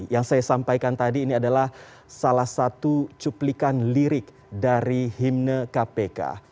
yang saya sampaikan tadi ini adalah salah satu cuplikan lirik dari himne kpk